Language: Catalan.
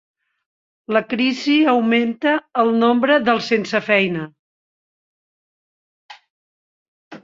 La crisi augmenta el nombre dels sensefeina.